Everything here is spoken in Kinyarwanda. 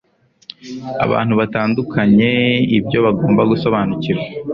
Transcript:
abantu batandukanye ibyo bagomba gusobanukirwa